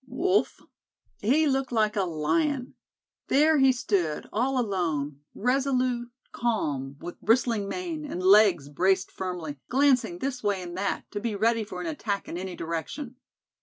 Wolf? He looked like a Lion. There he stood, all alone resolute calm with bristling mane, and legs braced firmly, glancing this way and that, to be ready for an attack in any direction.